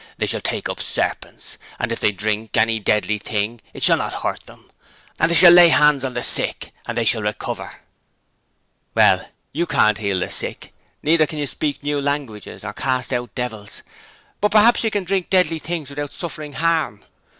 They shall take up serpents; and if they drink any deadly thing it shall not hurt them: they shall lay hands on the sick, and they shall recover.' 'Well, you can't heal the sick, neither can you speak new languages or cast out devils: but perhaps you can drink deadly things without suffering harm.'